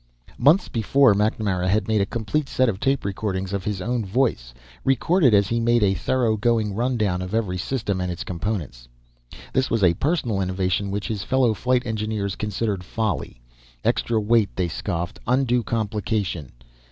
Months before, MacNamara had made a complete set of tape recordings of his own voice, recorded as he made a thorough going rundown of every system and its components. This was a personal innovation which his fellow flight engineers considered folly. Extra weight, they scoffed. Undue complication.